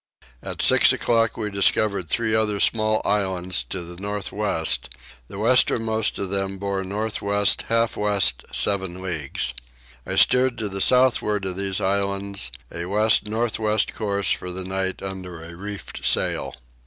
At six o'clock we discovered three other small islands to the north west, the westernmost of them bore north west half west 7 leagues. I steered to the southward of these islands a west north west course for the night under a reefed sail.